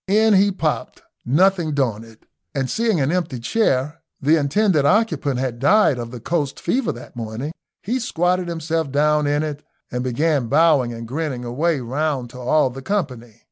In he popped, nothing daunted, and seeing an empty chair the intended occupant had died of the coast fever that morning he squatted himself down in it, and began bowing and grinning away round to all the company.